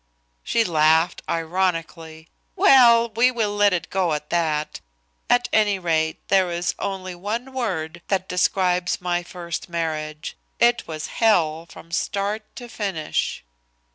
She laughed ironically. "Well, we will let it go at that! At any rate there is only one word that describes my first marriage. It was hell from start to finish."